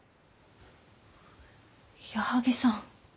矢作さん。